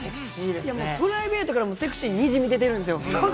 プライベートからもセクシーがにじみ出てるんですよ。